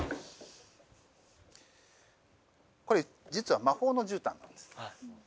これ実は魔法のじゅうたんなんです。